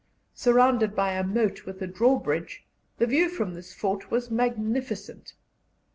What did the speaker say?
Surrounded by a moat with a drawbridge, the view from this fort was magnificent.